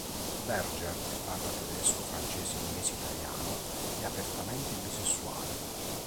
Berger, che parla tedesco, francese, inglese e italiano, è apertamente bisessuale.